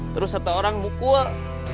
terus satu orang mukul